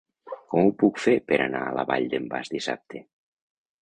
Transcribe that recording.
Com ho puc fer per anar a la Vall d'en Bas dissabte?